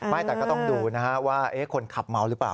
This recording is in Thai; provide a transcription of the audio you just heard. แต่ก็ต้องดูนะฮะว่าคนขับเมาหรือเปล่า